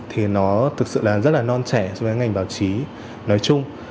thì nó thực sự là rất là non trẻ so với ngành báo chí nói chung